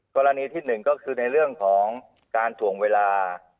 กรณีที่หนึ่งก็คือในเรื่องของการถ่วงเวลา